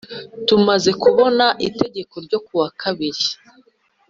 Tumaze kubona Itegeko n ryo kuwa kabiri